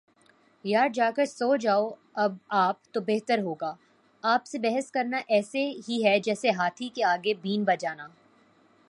یار جا کر سو جاﺅ آپ تو بہتر ہو گا، آپ سے بحث کرنا ایسے ہی ہے جسیے ہاتھی کے آگے بین بجانا